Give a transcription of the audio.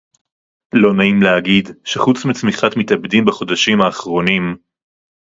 לא נעים להגיד שחוץ מצמיחת מתאבדים בחודשים האחרונים